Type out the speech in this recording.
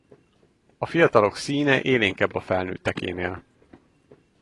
A fiatalok színe élénkebb a felnőttekénél.